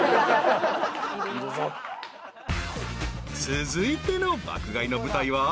［続いての爆買いの舞台は］